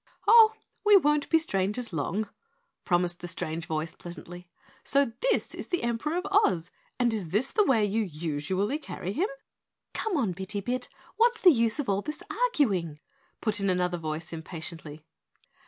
"Oh, we won't be strangers long," promised the strange voice pleasantly. "So THIS is the Emperor of Oz, and is this the way you usually carry him?" "Come on Bitty Bit, what's the use of all this arguing?" put in another voice impatiently.